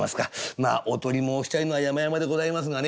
まあお取り申したいのはやまやまでございますがね